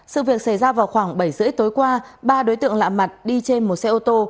sự việc xảy ra vào khoảng bảy h ba mươi tối qua ba đối tượng lạ mặt đi trên một xe ô tô